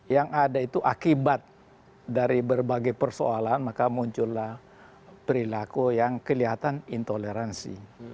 yang ada itu akibat dari berbagai persoalan maka muncullah perilaku yang kelihatan intoleransi